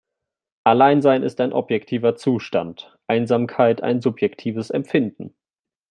Alleinsein ist ein objektiver Zustand, Einsamkeit ein subjektives Empfinden.